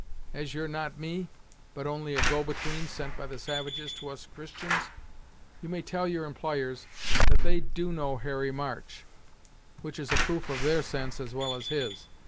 As you're not me, but only a go between sent by the savages to us Christians, you may tell your empl'yers that they do know Harry March, which is a proof of their sense as well as his.